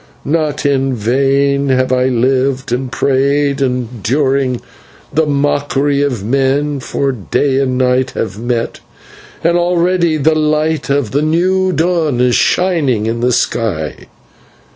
not in vain have I lived and prayed, enduring the mockery of men, for Day and Night have met, and already the light of the new dawn is shining in the sky.